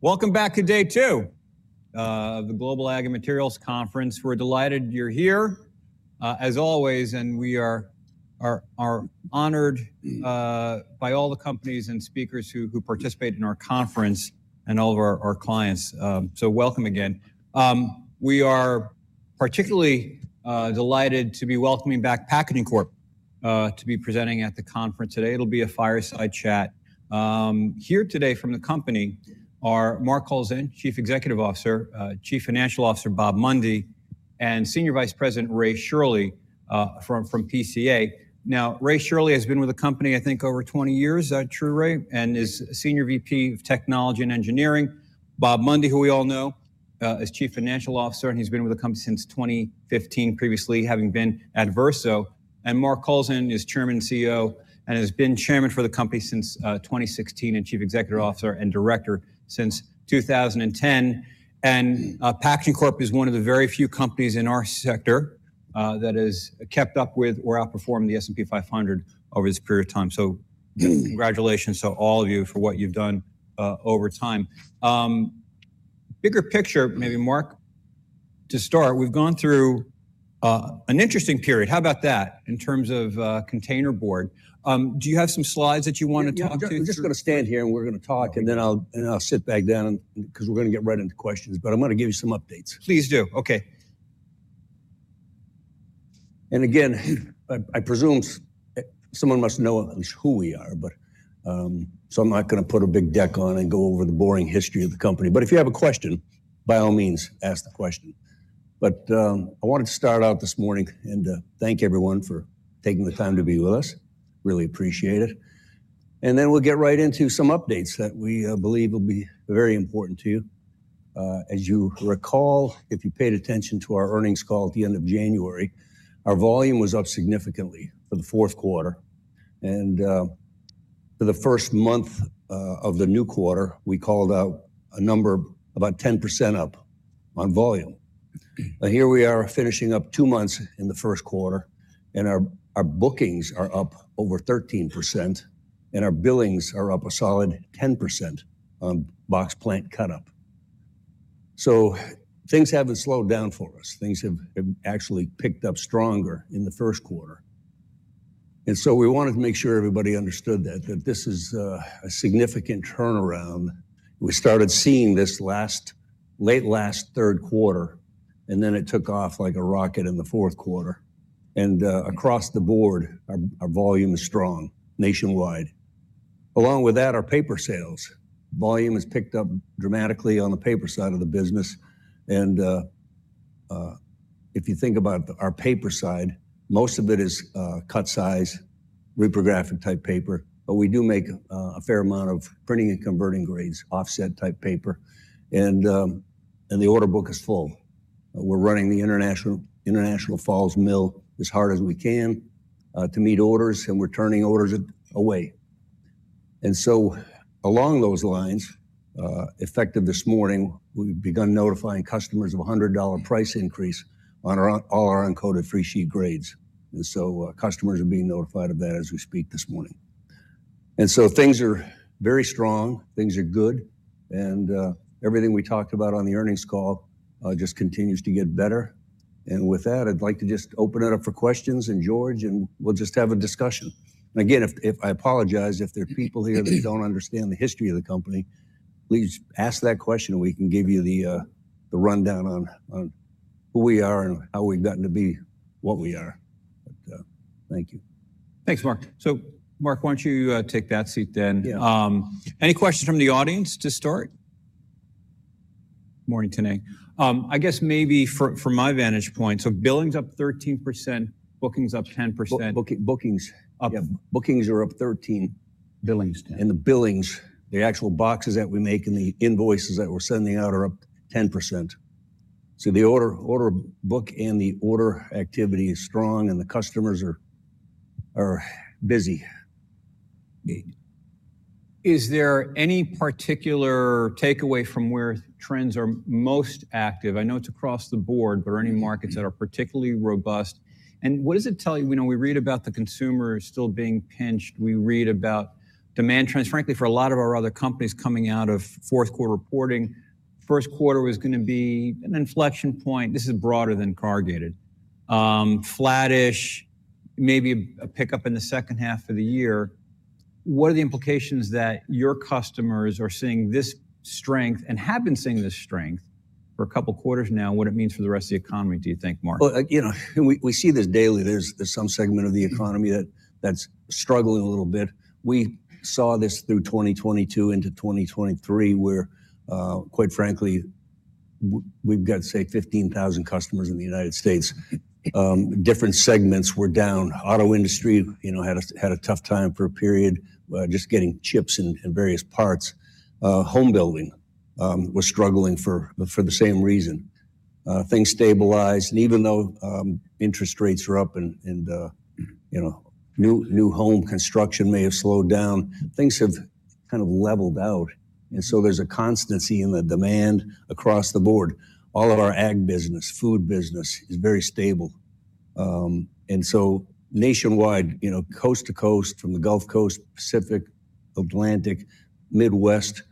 Welcome back to day two of the Global Agriculture and Materials Conference. We're delighted you're here as always, and we are honored by all the companies and speakers who participate in our conference and all of our clients. So welcome again. We are particularly delighted to be welcoming back Packaging Corp to be presenting at the conference today. It'll be a fireside chat. Here today from the company are Mark Kowlzan, Chief Executive Officer, Chief Financial Officer Bob Mundy, and Senior Vice President Ray Shirley from PCA. Now, Ray Shirley has been with the company, I think, over 20 years, true, Ray? And is Senior VP of Technology and Engineering. Bob Mundy, who we all know, is Chief Financial Officer, and he's been with the company since 2015, previously having been at Verso. Mark Kowlzan is Chairman and CEO and has been Chairman for the company since 2016 and Chief Executive Officer and Director since 2010. Packaging Corp is one of the very few companies in our sector that has kept up with or outperformed the S&P 500 over this period of time. So congratulations to all of you for what you've done over time. Bigger picture, maybe, Mark, to start, we've gone through an interesting period. How about that in terms of containerboard? Do you have some slides that you want to talk to? I'm just going to stand here and we're going to talk, and then I'll sit back down because we're going to get right into questions. But I'm going to give you some updates. Please do. Okay. Again, I presume someone must know at least who we are, but so I'm not going to put a big deck on and go over the boring history of the company. If you have a question, by all means, ask the question. I wanted to start out this morning and thank everyone for taking the time to be with us. Really appreciate it. Then we'll get right into some updates that we believe will be very important to you. As you recall, if you paid attention to our earnings call at the end of January, our volume was up significantly for the fourth quarter. For the first month of the new quarter, we called out a number about 10% up on volume. Here we are finishing up two months in the first quarter, and our bookings are up over 13%, and our billings are up a solid 10% on box plant cut-up. So things haven't slowed down for us. Things have actually picked up stronger in the first quarter. And so we wanted to make sure everybody understood that this is a significant turnaround. We started seeing this late last third quarter, and then it took off like a rocket in the fourth quarter. And across the board, our volume is strong nationwide. Along with that, our paper sales volume has picked up dramatically on the paper side of the business. And if you think about our paper side, most of it is cut size, reprographic type paper, but we do make a fair amount of printing and converting grades, offset type paper. And the order book is full. We're running the International Falls Mill as hard as we can to meet orders, and we're turning orders away. So along those lines, effective this morning, we've begun notifying customers of a $100 price increase on all our uncoated freesheet grades. Customers are being notified of that as we speak this morning. Things are very strong. Things are good. Everything we talked about on the earnings call just continues to get better. With that, I'd like to just open it up for questions, and George, we'll just have a discussion. Again, I apologize if there are people here that don't understand the history of the company. Please ask that question, and we can give you the rundown on who we are and how we've gotten to be what we are. But thank you. Thanks, Mark. So Mark, why don't you take that seat then? Any questions from the audience to start? Morning today. I guess maybe from my vantage point, so billings up 13%, bookings up 10%. Bookings are up 13%. Billings. The billings, the actual boxes that we make and the invoices that we're sending out are up 10%. So the order book and the order activity is strong, and the customers are busy. Is there any particular takeaway from where trends are most active? I know it's across the board, but are any markets that are particularly robust? And what does it tell you? We read about the consumer still being pinched. We read about demand trends. Frankly, for a lot of our other companies coming out of fourth quarter reporting, first quarter was going to be an inflection point. This is broader than corrugated. Flattish, maybe a pickup in the second half of the year. What are the implications that your customers are seeing this strength and have been seeing this strength for a couple of quarters now? What it means for the rest of the economy, do you think, Mark? Well, we see this daily. There's some segment of the economy that's struggling a little bit. We saw this through 2022 into 2023 where, quite frankly, we've got, say, 15,000 customers in the United States. Different segments were down. Auto industry had a tough time for a period just getting chips in various parts. Homebuilding was struggling for the same reason. Things stabilized. Even though interest rates are up and new home construction may have slowed down, things have kind of leveled out. And so there's a constancy in the demand across the board. All of our ag business, food business is very stable. And so nationwide, coast to coast, from the Gulf Coast, Pacific, Atlantic, Midwest,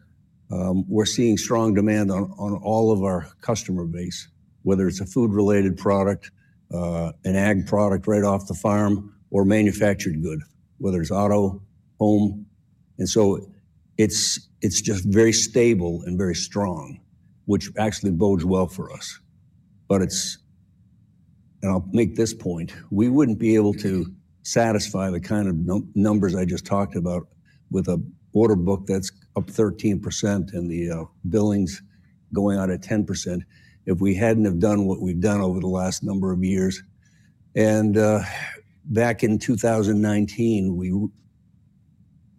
we're seeing strong demand on all of our customer base, whether it's a food-related product, an ag product right off the farm, or manufactured good, whether it's auto, home. It's just very stable and very strong, which actually bodes well for us. I'll make this point. We wouldn't be able to satisfy the kind of numbers I just talked about with an order book that's up 13% and the billings going out at 10% if we hadn't have done what we've done over the last number of years. Back in 2019, we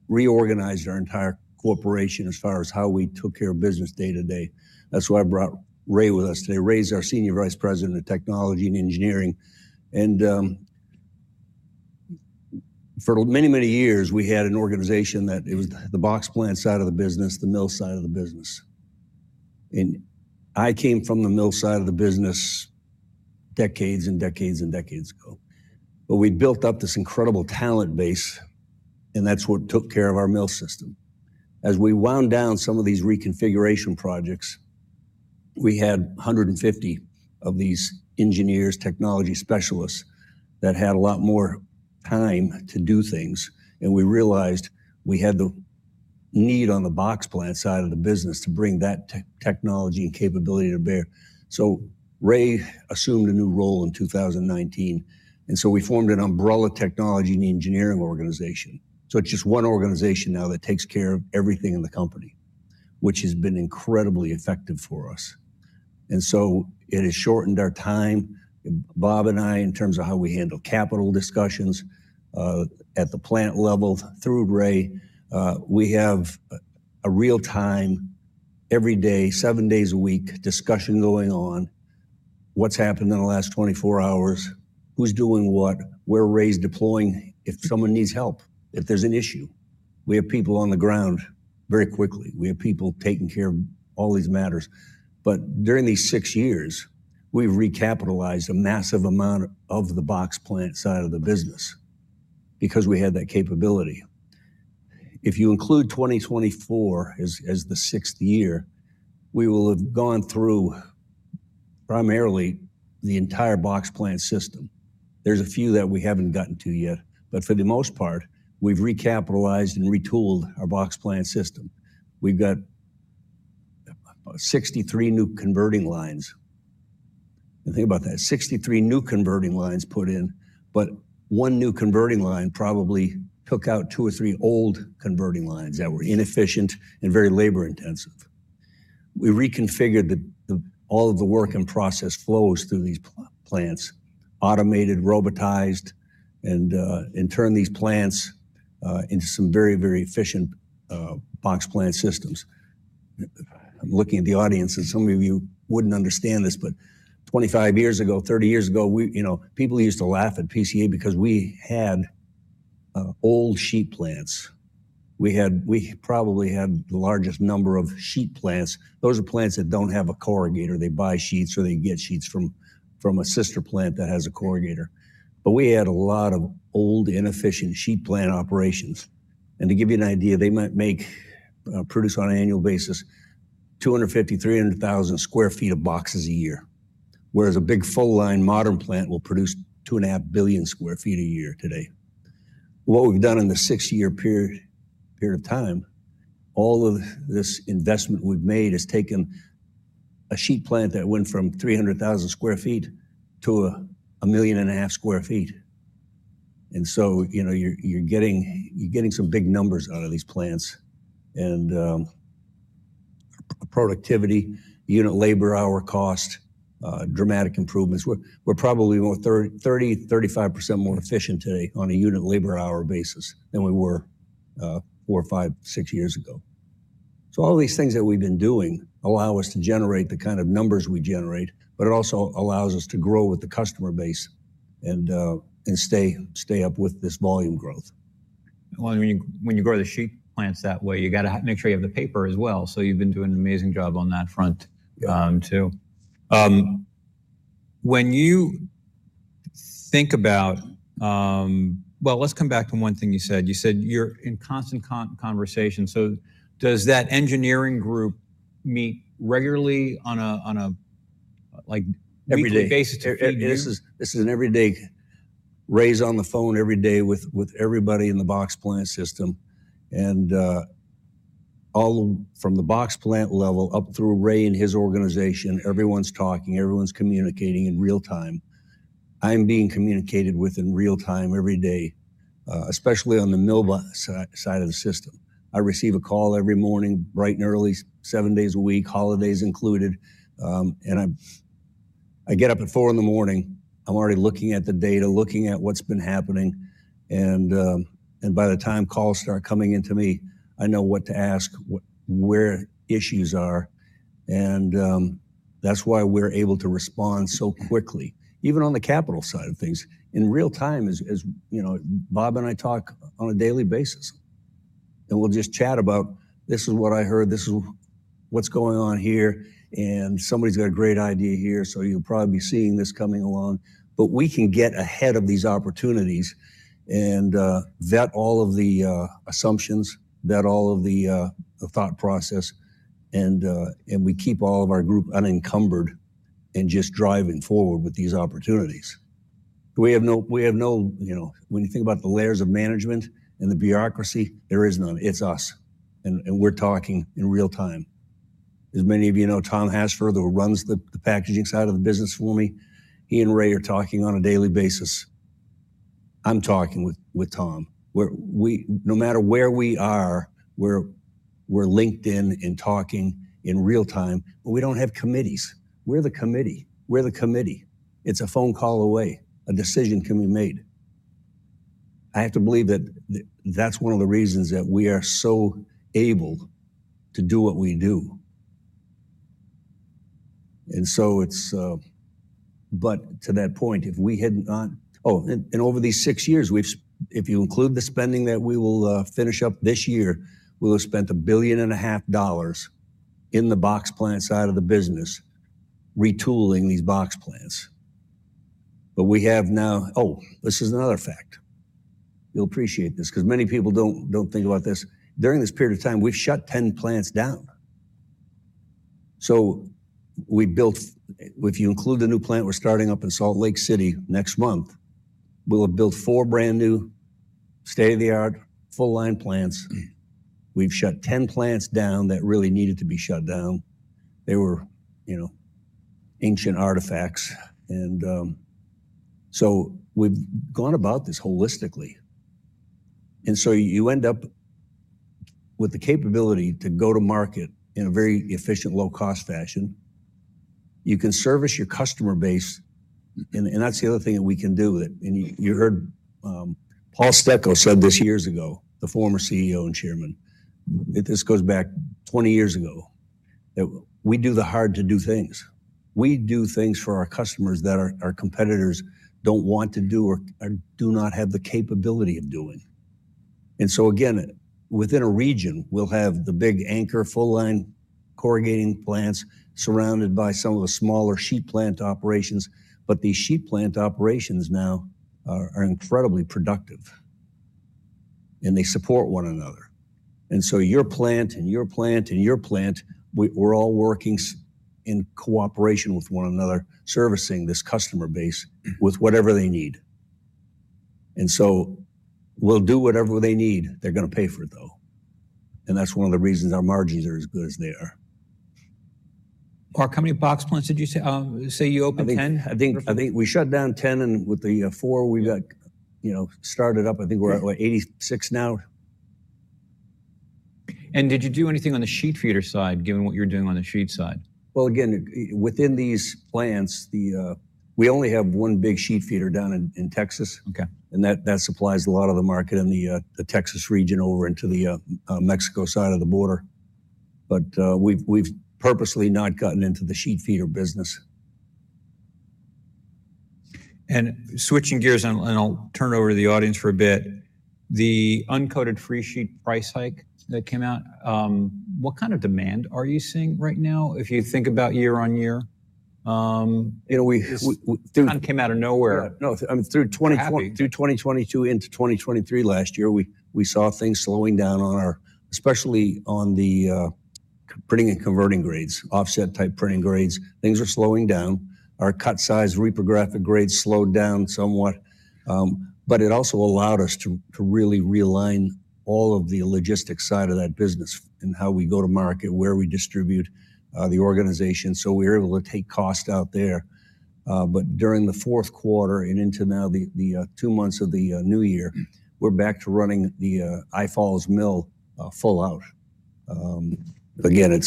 reorganized our entire corporation as far as how we took care of business day to day. That's why I brought Ray with us today. Ray is our Senior Vice President of Technology and Engineering. For many, many years, we had an organization that it was the box plant side of the business, the mill side of the business. I came from the mill side of the business decades and decades and decades ago. But we built up this incredible talent base, and that's what took care of our mill system. As we wound down some of these reconfiguration projects, we had 150 of these engineers, technology specialists that had a lot more time to do things. And we realized we had the need on the box plant side of the business to bring that technology and capability to bear. So Ray assumed a new role in 2019. And so we formed an umbrella technology and engineering organization. So it's just one organization now that takes care of everything in the company, which has been incredibly effective for us. And so it has shortened our time, Bob and I, in terms of how we handle capital discussions at the plant level through Ray. We have a real-time, every day, seven days a week, discussion going on. What's happened in the last 24 hours? Who's doing what? Where Ray's deploying if someone needs help, if there's an issue. We have people on the ground very quickly. We have people taking care of all these matters. But during these six years, we've recapitalized a massive amount of the box plant side of the business because we had that capability. If you include 2024 as the sixth year, we will have gone through primarily the entire box plant system. There's a few that we haven't gotten to yet. But for the most part, we've recapitalized and retooled our box plant system. We've got 63 new converting lines. And think about that, 63 new converting lines put in, but one new converting line probably took out two or three old converting lines that were inefficient and very labor-intensive. We reconfigured all of the work and process flows through these plants, automated, robotized, and turned these plants into some very, very efficient box plant systems. I'm looking at the audience, and some of you wouldn't understand this, but 25 years ago, 30 years ago, people used to laugh at PCA because we had old sheet plants. We probably had the largest number of sheet plants. Those are plants that don't have a corrugator. They buy sheets or they get sheets from a sister plant that has a corrugator. But we had a lot of old, inefficient sheet plant operations. And to give you an idea, they might produce on an annual basis 250,000-300,000 sq ft of boxes a year, whereas a big full-line modern plant will produce 2.5 billion sq ft a year today. What we've done in the 6-year period of time, all of this investment we've made has taken a sheet plant that went from 300,000 sq ft to 1.5 million sq ft. And so you're getting some big numbers out of these plants and productivity, unit labor hour cost, dramatic improvements. We're probably 30%-35% more efficient today on a unit labor hour basis than we were four or five, six years ago. So all of these things that we've been doing allow us to generate the kind of numbers we generate, but it also allows us to grow with the customer base and stay up with this volume growth. When you grow the sheet plants that way, you got to make sure you have the paper as well. You've been doing an amazing job on that front too. When you think about, well, let's come back to one thing you said. You said you're in constant conversation. So does that engineering group meet regularly on a basis? Every day. This is an every day race on the phone every day with everybody in the box plant system. From the box plant level up through Ray and his organization, everyone's talking, everyone's communicating in real time. I'm being communicated with in real time every day, especially on the mill side of the system. I receive a call every morning, bright and early, seven days a week, holidays included. I get up at 4:00 A.M. I'm already looking at the data, looking at what's been happening. By the time calls start coming into me, I know what to ask, where issues are. That's why we're able to respond so quickly, even on the capital side of things, in real time, as Bob and I talk on a daily basis. We'll just chat about, this is what I heard. This is what's going on here. Somebody's got a great idea here. You'll probably be seeing this coming along. But we can get ahead of these opportunities and vet all of the assumptions, vet all of the thought process. And we keep all of our group unencumbered and just driving forward with these opportunities. We have no when you think about the layers of management and the bureaucracy, there is none. It's us. And we're talking in real time. As many of you know, Tom Hassfurther, who runs the packaging side of the business for me, he and Ray are talking on a daily basis. I'm talking with Tom. No matter where we are, we're linked in and talking in real time, but we don't have committees. We're the committee. We're the committee. It's a phone call away. A decision can be made. I have to believe that that's one of the reasons that we are so able to do what we do. And so it's but to that point, and over these six years, if you include the spending that we will finish up this year, we will have spent $1.5 billion in the box plant side of the business, retooling these box plants. But we have. Now, this is another fact. You'll appreciate this because many people don't think about this. During this period of time, we've shut 10 plants down. So we built, if you include the new plant we're starting up in Salt Lake City next month, we'll have built four brand new, state-of-the-art, full-line plants. We've shut 10 plants down that really needed to be shut down. They were ancient artifacts. And so we've gone about this holistically. And so you end up with the capability to go-to-market in a very efficient, low-cost fashion. You can service your customer base. And that's the other thing that we can do with it. And you heard Paul Stecko said this years ago, the former CEO and Chairman, this goes back 20 years ago, that we do the hard-to-do things. We do things for our customers that our competitors don't want to do or do not have the capability of doing. And so again, within a region, we'll have the big anchor, full-line corrugating plants surrounded by some of the smaller sheet plant operations. But these sheet plant operations now are incredibly productive. And they support one another. And so your plant and your plant and your plant, we're all working in cooperation with one another, servicing this customer base with whatever they need. We'll do whatever they need. They're going to pay for it, though. That's one of the reasons our margins are as good as they are. Mark, how many box plants did you say you opened 10? I think we shut down 10. With the four we've got started up, I think we're at 86 now. Did you do anything on the sheet feeder side, given what you're doing on the sheet side? Well, again, within these plants, we only have one big sheet feeder down in Texas. That supplies a lot of the market in the Texas region over into the Mexico side of the border. But we've purposely not gotten into the sheet feeder business. Switching gears, and I'll turn it over to the audience for a bit. The uncoated freesheet price hike that came out, what kind of demand are you seeing right now if you think about year-on-year? It kind of came out of nowhere. No, I mean, through 2022 into 2023 last year, we saw things slowing down on our, especially on the printing and converting grades, offset-type printing grades. Things are slowing down. Our cut-size reprographic grades slowed down somewhat. But it also allowed us to really realign all of the logistics side of that business and how we go-to-market, where we distribute the organization. So we were able to take cost out there. But during the fourth quarter and into now the two months of the new year, we're back to running the International Falls Mill full out. Again,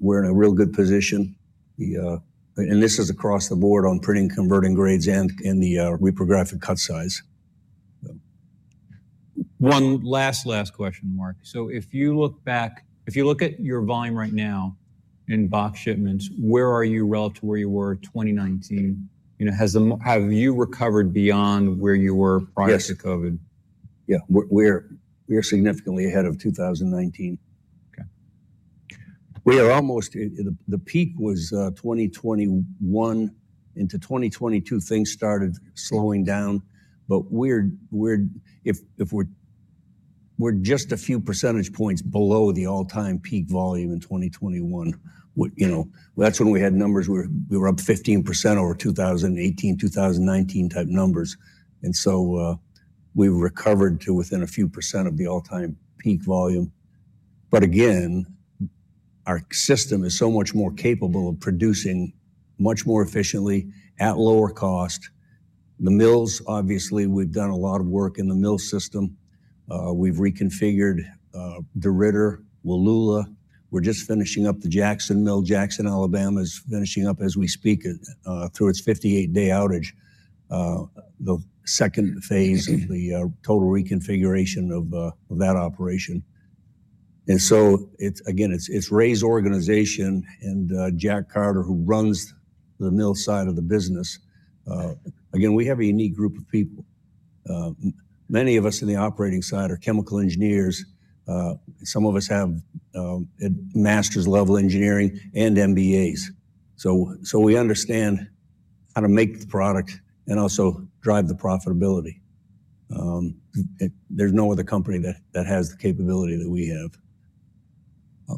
we're in a real good position. And this is across the board on printing, converting grades, and the reprographic cut size. One last, last question, Mark. So if you look back, if you look at your volume right now in box shipments, where are you relative to where you were in 2019? Have you recovered beyond where you were prior to COVID? Yeah. We're significantly ahead of 2019. We are almost at the peak was 2021. Into 2022, things started slowing down. But we're just a few percentage points below the all-time peak volume in 2021. That's when we had numbers. We were up 15% over 2018, 2019 type numbers. And so we've recovered to within a few percent of the all-time peak volume. But again, our system is so much more capable of producing much more efficiently at lower cost. The mills, obviously, we've done a lot of work in the mill system. We've reconfigured DeRidder, Wallula. We're just finishing up the Jackson mill. Jackson, Alabama, is finishing up as we speak through its 58-day outage, the second phase of the total reconfiguration of that operation. And so again, it's Ray's organization and Jack Carter, who runs the mill side of the business. Again, we have a unique group of people. Many of us in the operating side are chemical engineers. Some of us have master's-level engineering and MBAs. So we understand how to make the product and also drive the profitability. There's no other company that has the capability that we have.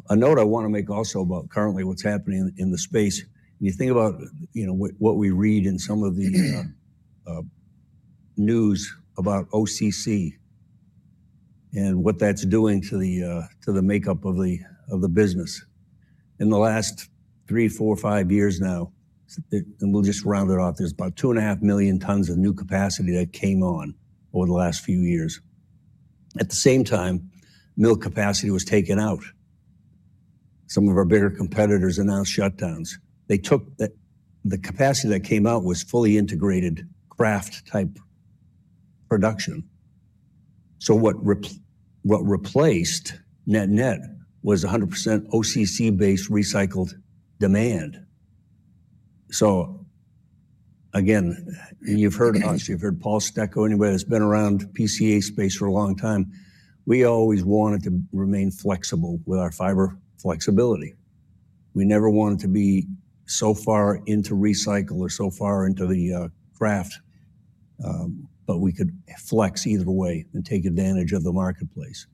A note I want to make also about currently what's happening in the space. When you think about what we read in some of the news about OCC and what that's doing to the makeup of the business. In the last three, four, five years now, and we'll just round it off, there's about 2.5 million tons of new capacity that came on over the last few years. At the same time, mill capacity was taken out. Some of our bigger competitors announced shutdowns. The capacity that came out was fully integrated kraft-type production. So what replaced net-net was 100% OCC-based recycled demand. So again, you've heard us. You've heard Paul Stecko, anyone that's been around PCA space for a long time. We always wanted to remain flexible with our fiber flexibility. We never wanted to be so far into recycle or so far into the kraft. But we could flex either way and take advantage of the marketplace.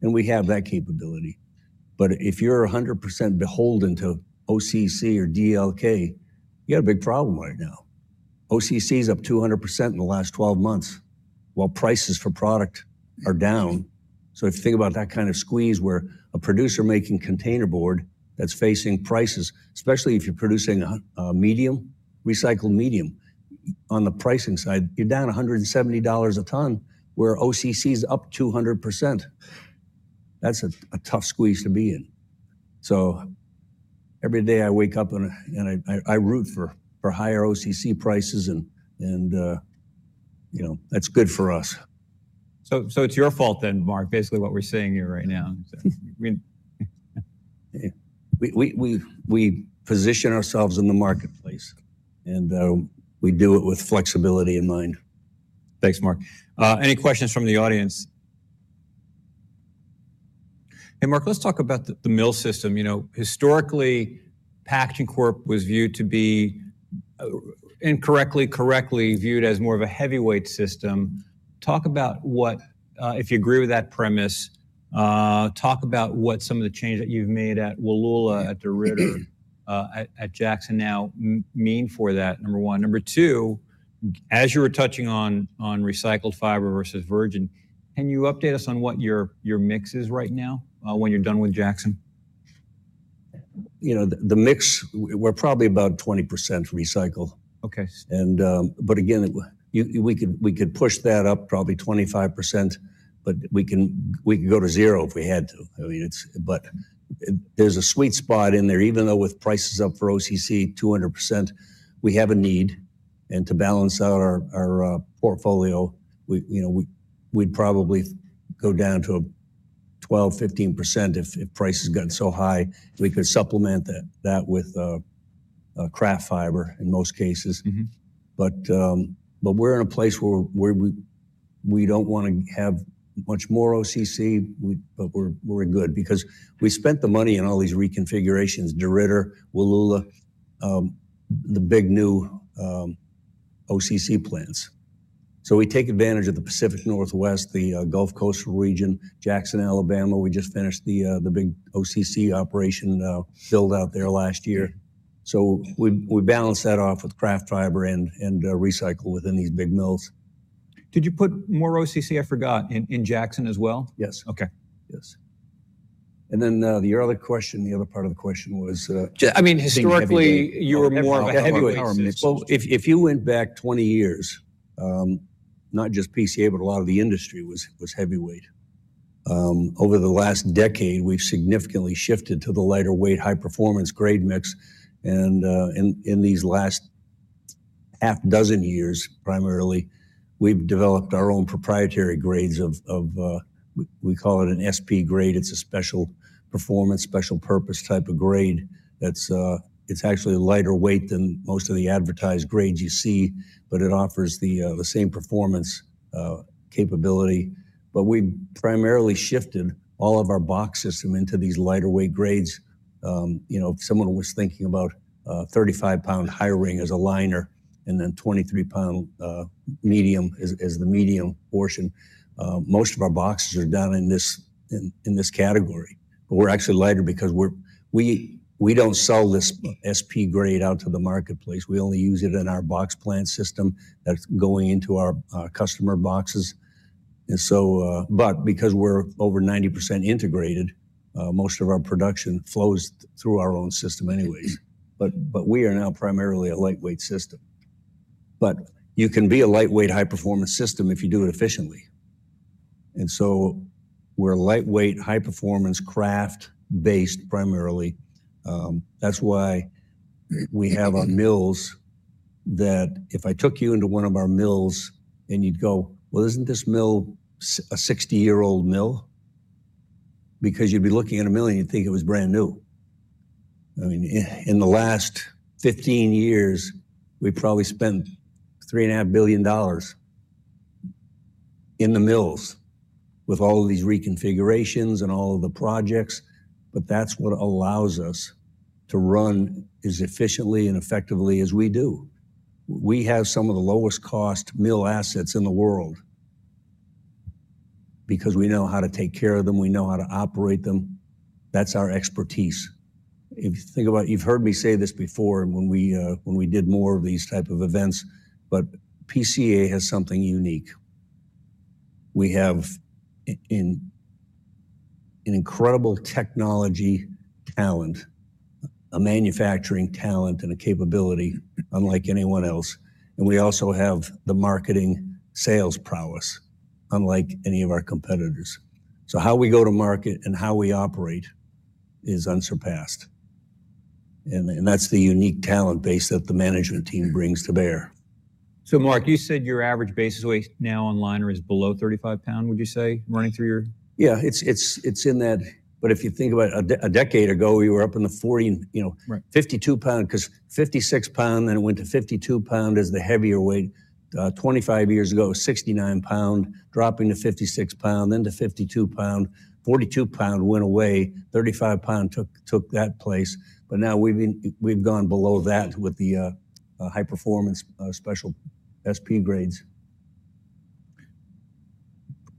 We have that capability. But if you're 100% beholden to OCC or DLK, you got a big problem right now. OCC is up 200% in the last 12 months while prices for product are down. So if you think about that kind of squeeze where a producer making containerboard that's facing prices, especially if you're producing a medium recycled medium on the pricing side, you're down $170 a ton where OCC is up 200%. That's a tough squeeze to be in. So every day I wake up and I root for higher OCC prices. That's good for us. It's your fault then, Mark, basically what we're seeing here right now. We position ourselves in the marketplace. We do it with flexibility in mind. Thanks, Mark. Any questions from the audience? Hey, Mark, let's talk about the mill system. Historically, Packaging Corp was viewed to be incorrectly, correctly viewed as more of a heavyweight system. Talk about what, if you agree with that premise, talk about what some of the changes that you've made at Wallula, at DeRidder, at Jackson now mean for that, number one. Number two, as you were touching on recycled fiber versus virgin, can you update us on what your mix is right now when you're done with Jackson? The mix, we're probably about 20% recycle. But again, we could push that up probably 25%. But we could go to zero if we had to. But there's a sweet spot in there. Even though with prices up for OCC 200%, we have a need. And to balance out our portfolio, we'd probably go down to 12%-15% if price has gotten so high. We could supplement that with kraft fiber in most cases. But we're in a place where we don't want to have much more OCC, but we're good because we spent the money in all these reconfigurations, DeRidder, Wallula, the big new OCC plants. So we take advantage of the Pacific Northwest, the Gulf Coast region, Jackson, Alabama. We just finished the big OCC operation build out there last year. So we balance that off with kraft fiber and recycle within these big mills. Did you put more OCC, I forgot, in Jackson as well? Yes. Then the other question, the other part of the question was. I mean, historically, you were more of a heavyweight. Well, if you went back 20 years, not just PCA, but a lot of the industry was heavyweight. Over the last decade, we've significantly shifted to the lighter weight, high-performance grade mix. And in these last six years, primarily, we've developed our own proprietary grades of we call it an SP grade. It's a special performance, special purpose type of grade. It's actually lighter weight than most of the advertised grades you see, but it offers the same performance capability. But we've primarily shifted all of our box system into these lighter weight grades. If someone was thinking about 35-pound high ring as a liner and then 23-pound medium as the medium portion, most of our boxes are done in this category. But we're actually lighter because we don't sell this SP grade out to the marketplace. We only use it in our box plant system that's going into our customer boxes. But because we're over 90% integrated, most of our production flows through our own system anyways. But we are now primarily a lightweight system. But you can be a lightweight, high-performance system if you do it efficiently. And so we're lightweight, high-performance, kraft-based primarily. That's why we have our mills that if I took you into one of our mills and you'd go, "Well, isn't this mill a 60-year-old mill?" Because you'd be looking at a mill and you'd think it was brand new. I mean, in the last 15 years, we probably spent $3.5 billion in the mills with all of these reconfigurations and all of the projects. But that's what allows us to run as efficiently and effectively as we do. We have some of the lowest-cost mill assets in the world because we know how to take care of them. We know how to operate them. That's our expertise. If you think about it, you've heard me say this before when we did more of these type of events. But PCA has something unique. We have an incredible technology talent, a manufacturing talent, and a capability unlike anyone else. And we also have the marketing sales prowess unlike any of our competitors. So how we go-to-market and how we operate is unsurpassed. And that's the unique talent base that the management team brings to bear. Mark, you said your average basis weight now on liner is below 35 pounds, would you say, running through your? Yeah, it's in that. But if you think about a decade ago, we were up in the 52-pound because 56-pound, then it went to 52-pound as the heavier weight. 25 years ago, 69-pound, dropping to 56-pound, then to 52-pound. 42-pound went away. 35-pound took that place. But now we've gone below that with the high-performance special SP grades.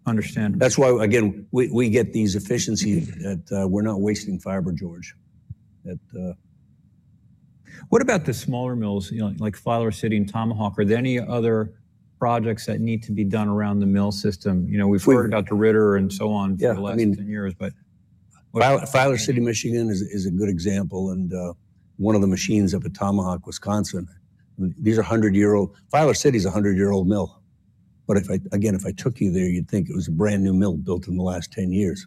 Understandable. That's why, again, we get these efficiencies that we're not wasting fiber, George. What about the smaller mills like Filer City and Tomahawk? Are there any other projects that need to be done around the mill system? We've heard about DeRidder and so on for the last 10 years, but. Filer City, Michigan, is a good example. One of the machines up at Tomahawk, Wisconsin, these are 100-year-old. Filer City is a 100-year-old mill. But again, if I took you there, you'd think it was a brand new mill built in the last 10 years.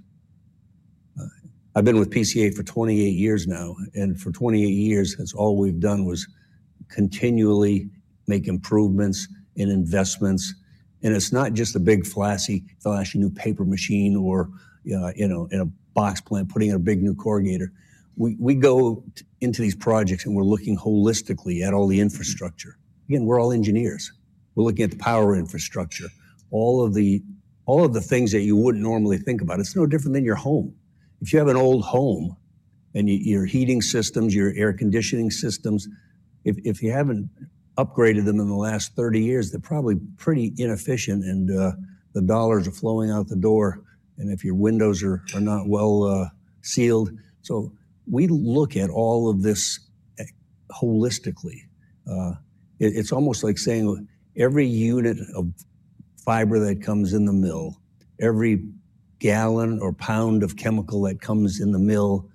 I've been with PCA for 28 years now. For 28 years, that's all we've done was continually make improvements and investments. It's not just a big flashy new paper machine or in a box plant, putting in a big new corrugator. We go into these projects and we're looking holistically at all the infrastructure. Again, we're all engineers. We're looking at the power infrastructure. All of the things that you wouldn't normally think about, it's no different than your home. If you have an old home and your heating systems, your air conditioning systems, if you haven't upgraded them in the last 30 years, they're probably pretty inefficient and the dollars are flowing out the door. If your windows are not well sealed. So we look at all of this holistically. It's almost like saying every unit of fiber that comes in the mill, every gallon or pound of chemical that comes in the mill,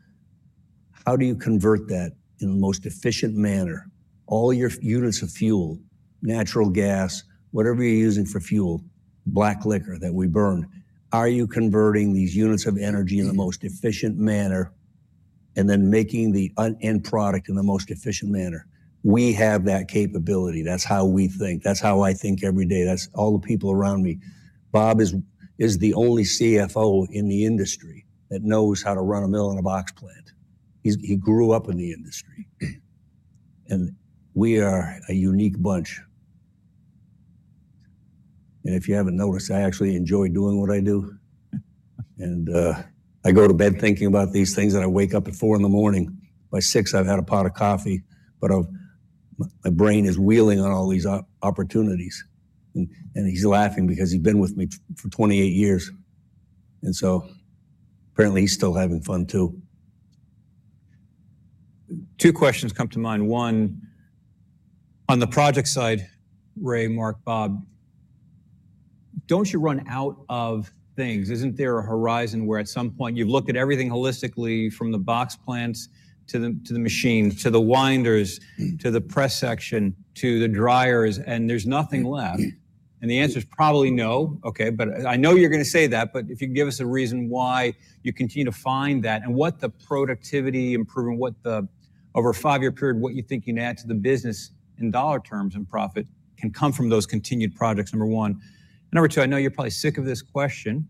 how do you convert that in the most efficient manner? All your units of fuel, natural gas, whatever you're using for fuel, black liquor that we burn, are you converting these units of energy in the most efficient manner and then making the end product in the most efficient manner? We have that capability. That's how we think. That's how I think every day. That's all the people around me. Bob is the only CFO in the industry that knows how to run a mill and a box plant. He grew up in the industry. We are a unique bunch. If you haven't noticed, I actually enjoy doing what I do. I go to bed thinking about these things. I wake up at 4:00 A.M. By 6:00 A.M., I've had a pot of coffee. But my brain is whirling on all these opportunities. He's laughing because he's been with me for 28 years. So apparently, he's still having fun too. Two questions come to mind. One, on the project side, Ray, Mark, Bob, don't you run out of things? Isn't there a horizon where at some point you've looked at everything holistically from the box plants to the machines to the winders to the press section to the dryers and there's nothing left? And the answer is probably no. Okay. But I know you're going to say that. But if you can give us a reason why you continue to find that and what the productivity improvement, over a five-year period, what you think you can add to the business in dollar terms and profit can come from those continued projects, number one. And number two, I know you're probably sick of this question.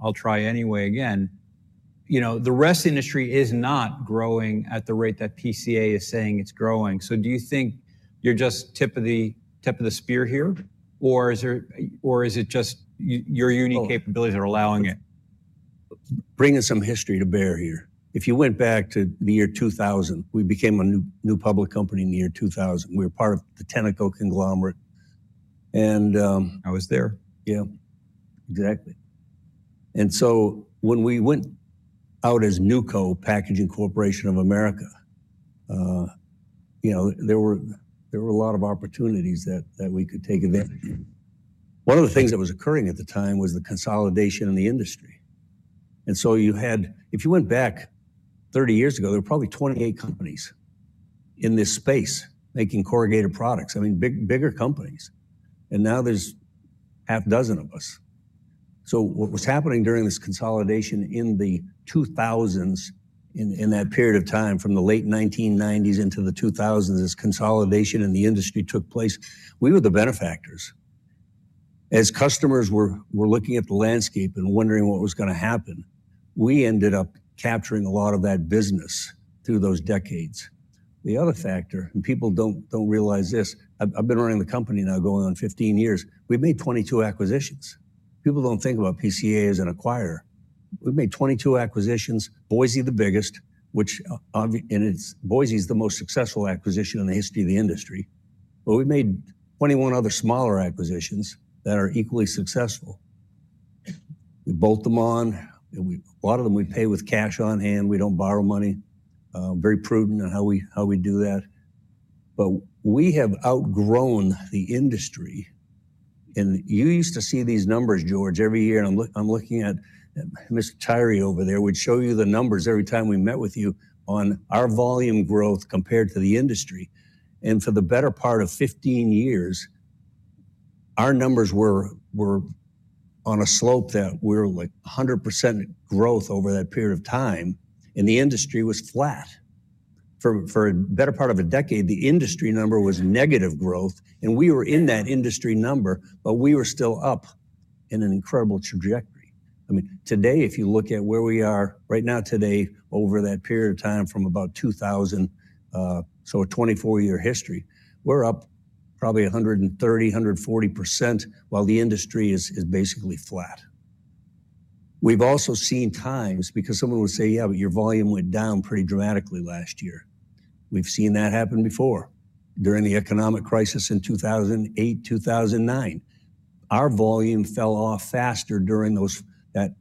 I'll try anyway again. The rest industry is not growing at the rate that PCA is saying it's growing. So do you think you're just tip of the spear here? Or is it just your unique capabilities that are allowing it? Bringing some history to bear here. If you went back to the year 2000, we became a new public company in the year 2000. We were part of the Tenneco conglomerate. I was there. Yeah. Exactly. And so when we went out as Newco Packaging Corporation of America, there were a lot of opportunities that we could take advantage of. One of the things that was occurring at the time was the consolidation in the industry. And so if you went back 30 years ago, there were probably 28 companies in this space making corrugated products. I mean, bigger companies. And now there's half dozen of us. So what was happening during this consolidation in the 2000s, in that period of time from the late 1990s into the 2000s, this consolidation in the industry took place. We were the benefactors. As customers were looking at the landscape and wondering what was going to happen, we ended up capturing a lot of that business through those decades. The other factor, and people don't realize this, I've been running the company now going on 15 years. We've made 22 acquisitions. People don't think about PCA as an acquirer. We've made 22 acquisitions, Boise the biggest, and Boise is the most successful acquisition in the history of the industry. But we made 21 other smaller acquisitions that are equally successful. We bolt them on. A lot of them, we pay with cash on hand. We don't borrow money. Very prudent in how we do that. But we have outgrown the industry. And you used to see these numbers, George, every year. And I'm looking at Mr. Tyree over there. We'd show you the numbers every time we met with you on our volume growth compared to the industry. For the better part of 15 years, our numbers were on a slope that were like 100% growth over that period of time. The industry was flat. For a better part of a decade, the industry number was negative growth. We were in that industry number, but we were still up in an incredible trajectory. I mean, today, if you look at where we are right now today over that period of time from about 2000, so a 24-year history, we're up probably 130%-140% while the industry is basically flat. We've also seen times because someone would say, "Yeah, but your volume went down pretty dramatically last year." We've seen that happen before during the economic crisis in 2008, 2009. Our volume fell off faster during that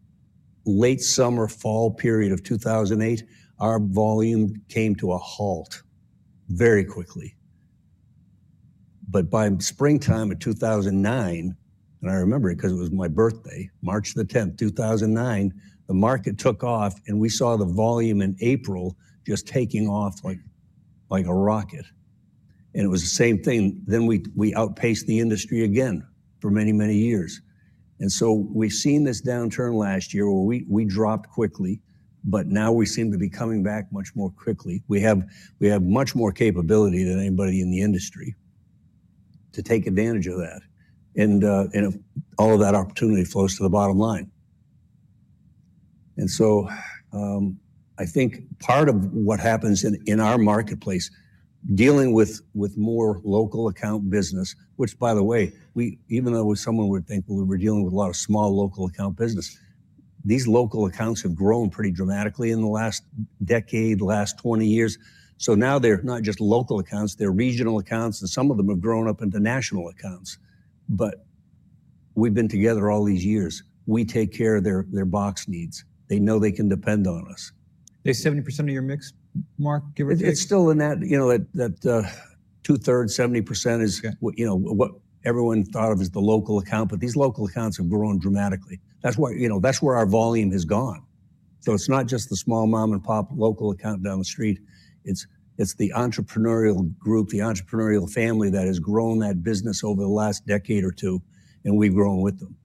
late summer, fall period of 2008. Our volume came to a halt very quickly. But by springtime of 2009, and I remember it because it was my birthday, March the 10th, 2009, the market took off and we saw the volume in April just taking off like a rocket. And it was the same thing. Then we outpaced the industry again for many, many years. And so we've seen this downturn last year where we dropped quickly, but now we seem to be coming back much more quickly. We have much more capability than anybody in the industry to take advantage of that. And all of that opportunity flows to the bottom line. And so I think part of what happens in our marketplace, dealing with more local account business, which, by the way, even though someone would think we were dealing with a lot of small local account business, these local accounts have grown pretty dramatically in the last decade, last 20 years. So now they're not just local accounts. They're regional accounts. And some of them have grown up into national accounts. But we've been together all these years. We take care of their box needs. They know they can depend on us. They're 70% of your mix, Mark, give or take? It's still in that 2/3, 70% is what everyone thought of as the local account. But these local accounts have grown dramatically. That's where our volume has gone. So it's not just the small mom-and-pop local account down the street. It's the entrepreneurial group, the entrepreneurial family that has grown that business over the last decade or two. And we've grown with them.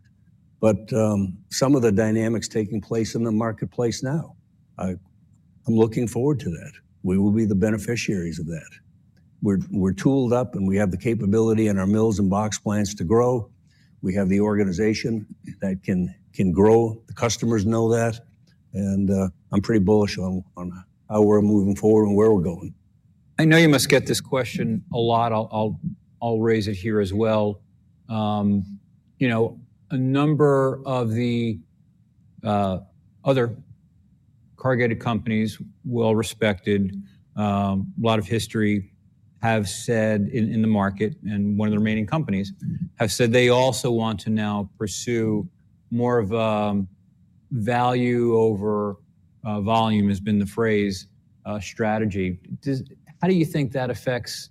But some of the dynamics taking place in the marketplace now, I'm looking forward to that. We will be the beneficiaries of that. We're tooled up and we have the capability in our mills and box plants to grow. We have the organization that can grow. The customers know that. And I'm pretty bullish on how we're moving forward and where we're going. I know you must get this question a lot. I'll raise it here as well. A number of the other corrugated companies, well-respected, a lot of history have said in the market, and one of the remaining companies have said they also want to now pursue more of a value over volume has been the phrase, strategy. How do you think that affects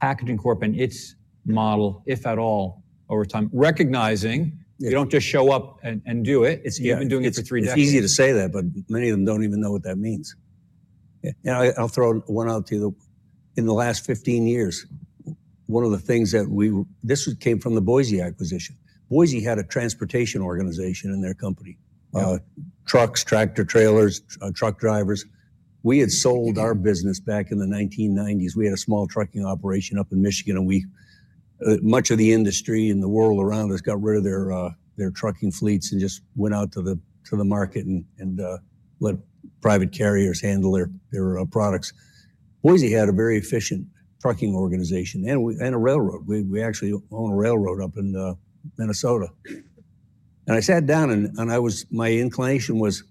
Packaging Corporation and its model, if at all, over time? Recognizing you don't just show up and do it. It's even doing it for three decades. It's easy to say that, but many of them don't even know what that means. I'll throw one out to you. In the last 15 years, one of the things that came from the Boise acquisition. Boise had a transportation organization in their company. Trucks, tractor trailers, truck drivers. We had sold our business back in the 1990s. We had a small trucking operation up in Michigan. Much of the industry and the world around us got rid of their trucking fleets and just went out to the market and let private carriers handle their products. Boise had a very efficient trucking organization and a railroad. We actually own a railroad up in Minnesota. I sat down and my inclination was,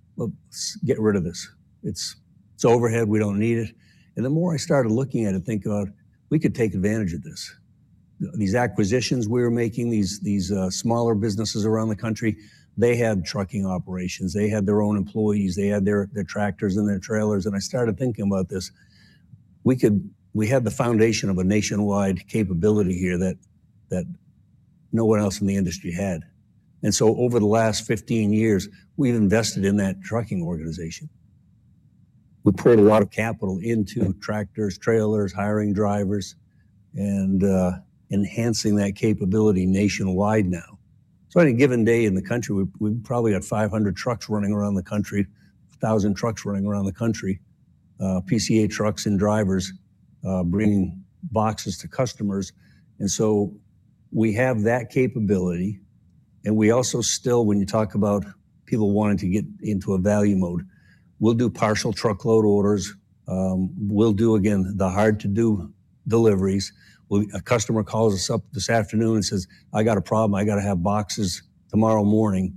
"Get rid of this. It's overhead. We don't need it." The more I started looking at it, thinking about, "We could take advantage of this." These acquisitions we were making, these smaller businesses around the country, they had trucking operations. They had their own employees. They had their tractors and their trailers. I started thinking about this. We had the foundation of a nationwide capability here that no one else in the industry had. So over the last 15 years, we've invested in that trucking organization. We poured a lot of capital into tractors, trailers, hiring drivers, and enhancing that capability nationwide now. So on a given day in the country, we've probably got 500 trucks running around the country, 1,000 trucks running around the country, PCA trucks and drivers bringing boxes to customers. So we have that capability. And we also still, when you talk about people wanting to get into a value mode, we'll do partial truckload orders. We'll do, again, the hard-to-do deliveries. A customer calls us up this afternoon and says, "I got a problem. I got to have boxes tomorrow morning."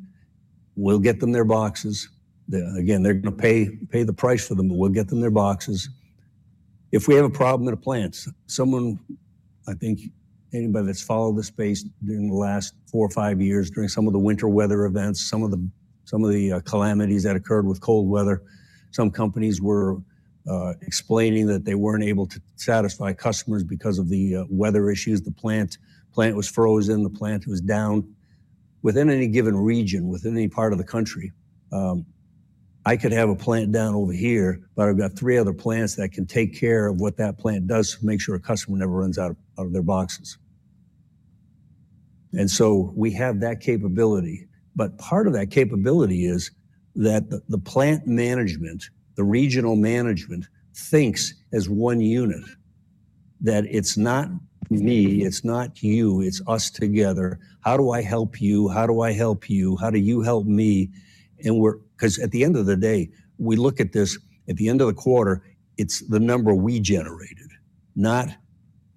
We'll get them their boxes. Again, they're going to pay the price for them, but we'll get them their boxes. If we have a problem in a plant, someone, I think anybody that's followed this space during the last four or five years, during some of the winter weather events, some of the calamities that occurred with cold weather, some companies were explaining that they weren't able to satisfy customers because of the weather issues. The plant was frozen. The plant was down. Within any given region, within any part of the country, I could have a plant down over here, but I've got three other plants that can take care of what that plant does to make sure a customer never runs out of their boxes. And so we have that capability. But part of that capability is that the plant management, the regional management, thinks as one unit, that it's not me, it's not you, it's us together. How do I help you? How do I help you? How do you help me? Because at the end of the day, we look at this at the end of the quarter, it's the number we generated, not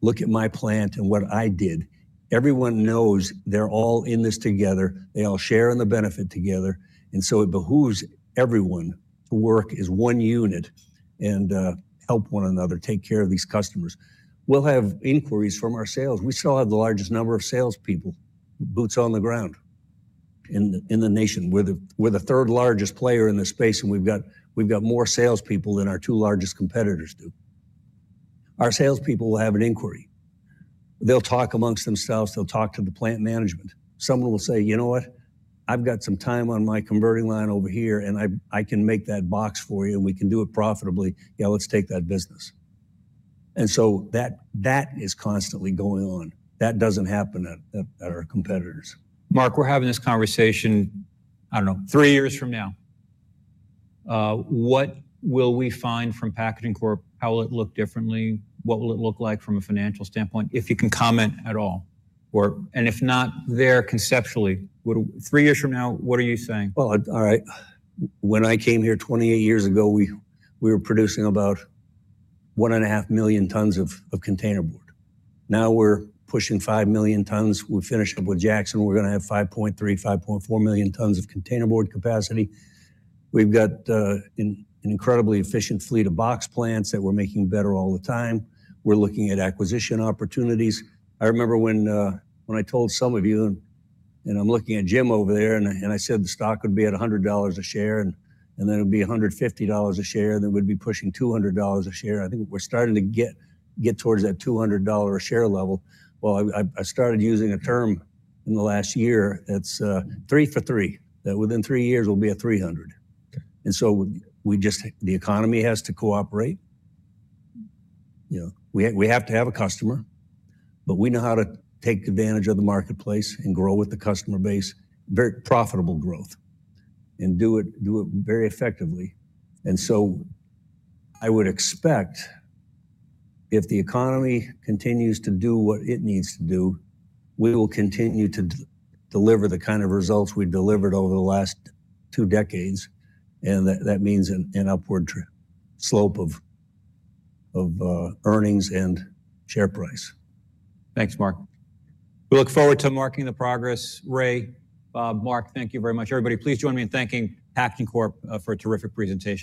look at my plant and what I did. Everyone knows they're all in this together. They all share in the benefit together. It behooves everyone to work as one unit and help one another, take care of these customers. We'll have inquiries from our sales. We still have the largest number of salespeople, boots on the ground, in the nation. We're the third largest player in this space. We've got more salespeople than our two largest competitors do. Our salespeople will have an inquiry. They'll talk amongst themselves. They'll talk to the plant management. Someone will say, "You know what? I've got some time on my converting line over here. And I can make that box for you. And we can do it profitably. Yeah, let's take that business." That is constantly going on. That doesn't happen at our competitors. Mark, we're having this conversation, I don't know, three years from now. What will we find from Packaging Corporation? How will it look differently? What will it look like from a financial standpoint? If you can comment at all. And if not there, conceptually, three years from now, what are you saying? Well, all right. When I came here 28 years ago, we were producing about 1.5 million tons of containerboard. Now we're pushing 5 million tons. We've finished up with Jackson. We're going to have 5.3 million-5.4 million tons of containerboard capacity. We've got an incredibly efficient fleet of box plants that we're making better all the time. We're looking at acquisition opportunities. I remember when I told some of you, and I'm looking at Jim over there, and I said the stock would be at $100 a share, and then it would be $150 a share, and then we'd be pushing $200 a share. I think we're starting to get towards that $200 a share level. Well, I started using a term in the last year that's three for three, that within three years will be a 300. And so the economy has to cooperate. We have to have a customer. But we know how to take advantage of the marketplace and grow with the customer base, very profitable growth, and do it very effectively. And so I would expect if the economy continues to do what it needs to do, we will continue to deliver the kind of results we delivered over the last two decades. And that means an upward slope of earnings and share price. Thanks, Mark. We look forward to marking the progress. Ray, Bob, Mark, thank you very much. Everybody, please join me in thanking Packaging Corporation for a terrific presentation.